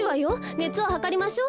ねつをはかりましょう。